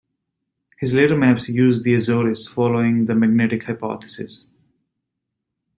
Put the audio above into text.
His later maps used the Azores, following the magnetic hypothesis.